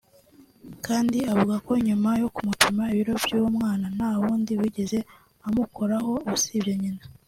kandi akavuga ko nyuma yo gupima ibiro by’uwo mwana nta wundi wigeze amukoraho usibye nyina